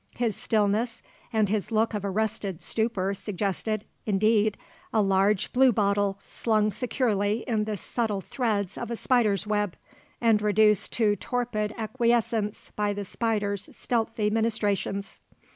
His stillness and his look of arrested stupor suggested, indeed, a large blue bottle slung securely in the subtle threads of a spider's web and reduced to torpid acquiescence by the spider's stealthy ministrations.